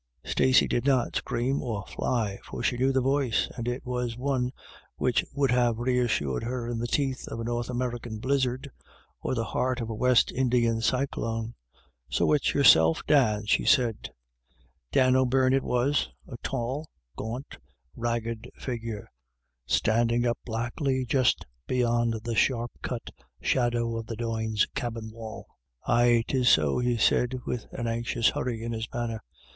Stacey did not scream or fly, for she knew the voice, and it was one which would have reassured her in the teeth of a North American blizzard, or the heart of a West Indian cyclone " So it's yourself, Dan," she said. 238 IRISH IDYLLS. Dan O'Beirne it was, a tall, gaunt, ragged figure, standing up blackly just beyond the sharp cut shadow of the Doynes' cabin wall. " Aye, 'tis so/* he said, with an anxious hurry in his manner.